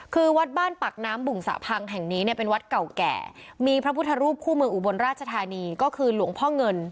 คือวัดบ้านปากน้ำบุ่งสะพังแห่งนี้เนี่ยเป็นวัดเก่าแก่มีพระพุทธรูปคู่เมืองอุบลราชธานีก็คือหลวงพ่อเงิน